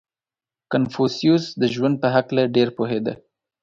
• کنفوسیوس د ژوند په هکله ډېر پوهېده.